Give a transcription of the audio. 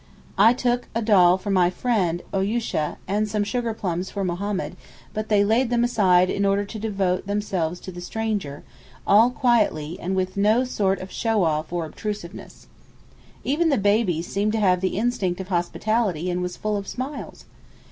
I took a doll for my little friend Ayoosheh, and some sugar plums for Mohammed, but they laid them aside in order to devote themselves to the stranger, and all quietly, and with no sort of show off or obtrusiveness. Even the baby seemed to have the instinct of hospitality, and was full of smiles.